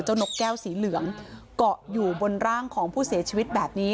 นกแก้วสีเหลืองเกาะอยู่บนร่างของผู้เสียชีวิตแบบนี้